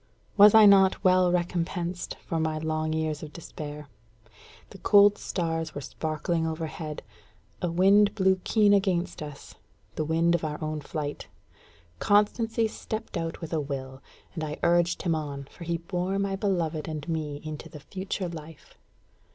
Was I not well recompensed for my long years of despair? The cold stars were sparkling overhead; a wind blew keen against us the wind of our own flight; Constancy stepped out with a will; and I urged him on, for he bore my beloved and me into the future life.